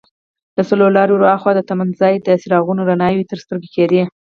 له څلور لارې ور هاخوا د تمځای د څراغونو رڼاوې تر سترګو کېدې.